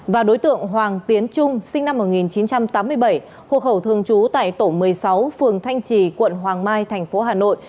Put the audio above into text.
và đối tượng hoàng tiến trung sinh năm một nghìn chín trăm tám mươi bảy hộ khẩu thường trú tại tổ một mươi sáu phường thanh trì quận hoàng mai thành phố hà nội